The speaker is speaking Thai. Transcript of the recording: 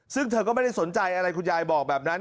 ซึ่งเธอก็ไม่ได้สนใจอะไรคุณยายบอกแบบนั้น